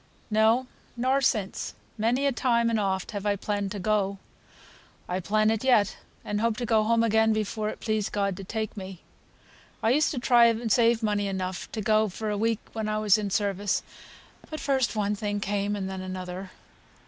"No, nor since. Many a time and oft have I planned to go. I plan it yet, and hope to go home again before it please God to take me. I used to try and save money enough to go for a week when I was in service; but first one thing came, and then another.